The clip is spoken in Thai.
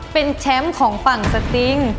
เป็นแชมป์ของฝั่งสติง